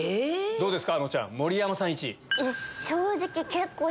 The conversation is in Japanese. どうですか？